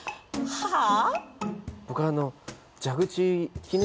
はあ！？